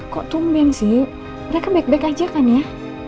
kok tumben sih mereka baik baik aja kan ya